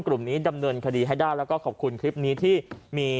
กลุ่มนี้ดำเนินคดีให้ได้แล้วก็ขอบคุณคลิปนี้ที่มี